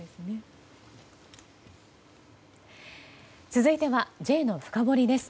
続いてはＪのフカボリです。